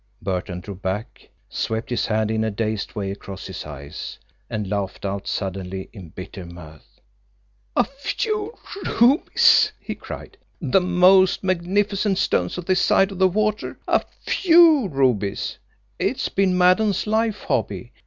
Burton drew back, swept his hand in a dazed way across his eyes and laughed out suddenly in bitter mirth. "A few rubies!" he cried. "The most magnificent stones on this side of the water a FEW rubies! It's been Maddon's life hobby.